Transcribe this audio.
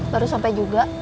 baru sampai juga